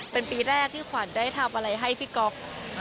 เป็นปีแรกที่ขวัญได้ทำอะไรให้พี่ก๊อฟ